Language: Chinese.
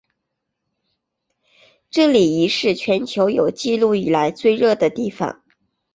这里亦是全球有纪录以来最热的地方。